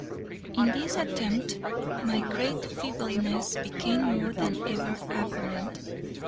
In this attempt my great feebleness became more than ever apparent.